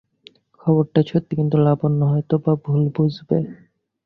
খবরটা সত্যি, কিন্তু লাবণ্য হয়তো-বা ভুল বুঝবে।